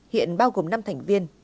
hiện bao gồm năm thành viên